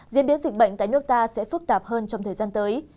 diễn biến dịch bệnh tại nước ta sẽ phức tạp hơn trong thời gian tới